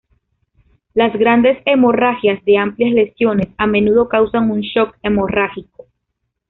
Las grandes hemorragias de amplias lesiones, a menudo causan un "shock" hemorrágico.